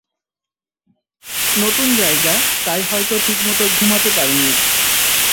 নতুন জায়গা তাই হয়তো ঠিকমতো ঘুমাতে পারিনি।